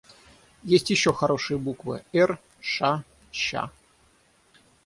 Есть еще хорошие буквы: Эр, Ша, Ща.